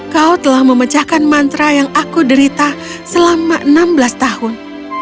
kau telah memecahkan mantra yang aku derita selama enam belas tahun